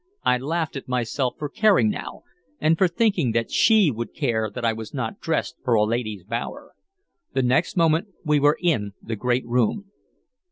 I laughed at myself for caring now, and for thinking that she would care that I was not dressed for a lady's bower. The next moment we were in the great room.